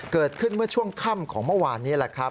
เกิดขึ้นเมื่อช่วงค่ำของเมื่อวานนี้แหละครับ